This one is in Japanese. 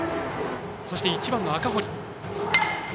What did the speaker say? そして１番の赤堀。